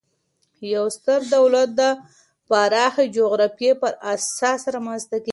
یو ستر دولت د پراخي جغرافیې پر اساس رامنځ ته کیږي.